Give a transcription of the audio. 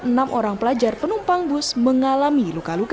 enam orang pelajar penumpang bus mengalami luka luka